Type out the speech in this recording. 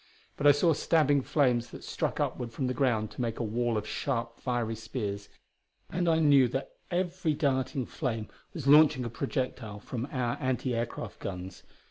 But I saw stabbing flames that struck upward from the ground to make a wall of sharp, fiery spears, and I knew that every darting flame was launching a projectile from our anti aircraft guns.